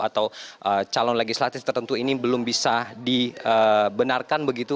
atau calon legislatif tertentu ini belum bisa dibenarkan begitu